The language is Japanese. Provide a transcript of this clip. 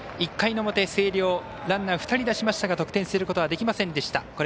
１回表、星稜ランナー、２人出しましたが得点することができませんでした。